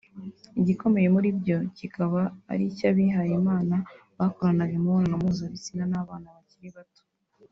igikomeye muri byo kikaba ari icy’abihaye Imana bakoranaga imibonano mpuzabitsina n’abana bakiri bato